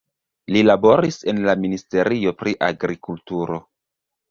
Li laboris en la Ministerio pri Agrikulturo.